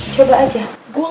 coba aja gue gak takut